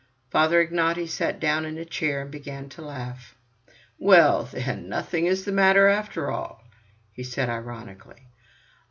Father Ignaty sat down on a chair and began to laugh. "Well then, nothing is the matter after all?" he asked ironically.